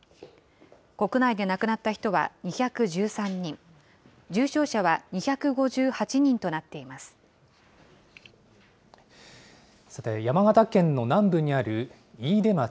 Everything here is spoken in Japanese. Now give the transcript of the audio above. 国内で亡くなった人は２１３人、さて、山形県の南部にある飯豊町。